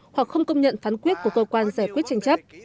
hoặc không công nhận phán quyết của cơ quan giải quyết tranh chấp